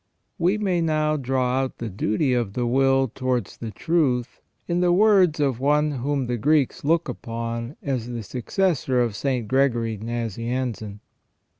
f We may now draw out the duty of the will towards the truth in the words of one whom the Greeks look upon as the successor of St. Gregory Nazianzen.